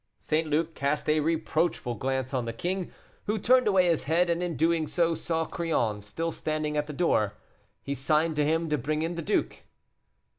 St. Luc cast a reproachful glance on the king, who turned away his head, and, in doing so, saw Crillon still standing at the door. He signed to him to bring in the duke.